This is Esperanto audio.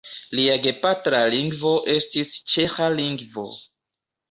Lia gepatra lingvo estis ĉeĥa lingvo.